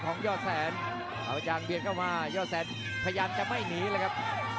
พยายามจะไม่หนีเลยครับ